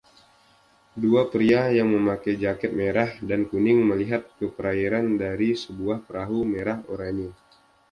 Dua pria yang memakai jaket merah dan kuning melihat ke perairan dari sebuah perahu merah-oranye.